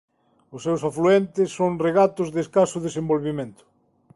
Os seus afluentes son regatos de escaso desenvolvemento.